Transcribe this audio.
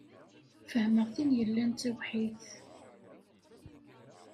Fehmeɣ tin yellan d tawḥidt.